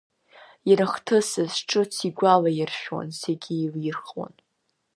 Ирыхҭысыз ҿыц игәалаиршәон, зегь еилирхуан.